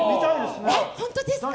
本当ですか？